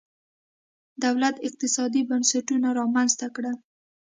دولت اقتصادي بنسټونه رامنځته کړل.